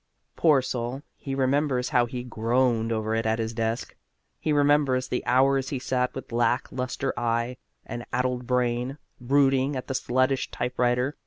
Poor soul, he remembers how he groaned over it at his desk. He remembers the hours he sat with lack lustre eye and addled brain, brooding at the sluttish typewriter.